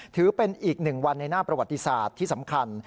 ถือเป็นอีกหนึ่งวันในหน้าประวัติศาสตร์ที่สำคัญ